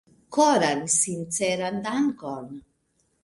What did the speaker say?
Koran sinceran dankon!